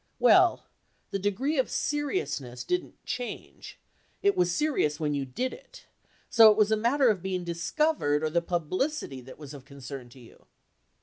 Well, the degree of seriousness didn't change. It was serious when you did it. So it was a matter of being discovered or the publicity that was of concern to you?